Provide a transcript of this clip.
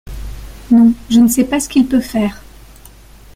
Non, je ne sais pas ce qu’il peut faire.